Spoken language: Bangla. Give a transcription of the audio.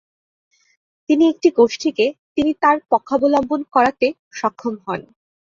তিনি একটি গোষ্ঠীকে তিনি তার পক্ষাবলম্বন করাতে সক্ষম হন।